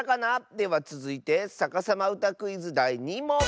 ではつづいて「さかさまうたクイズ」だい２もん。